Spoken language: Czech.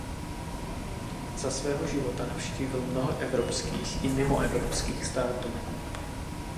Za svého života navštívil mnoho evropských i mimoevropských států.